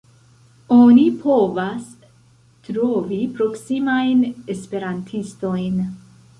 Oni povas trovi proksimajn esperantistojn.